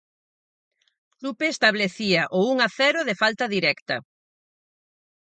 Chupe establecía o un a cero de falta directa.